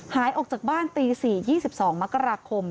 หายออกจากบ้านตี๔๒๒มกราคม